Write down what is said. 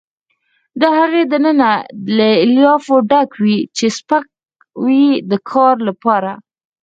د هغې دننه له الیافو ډک وي چې سپک وي د کار لپاره.